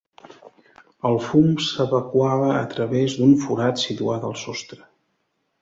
El fum s'evacuava a través d'un forat situat al sostre.